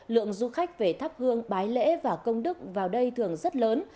lượng du khách về tháp gương bái lễ và công đức vào đây thường rất lớn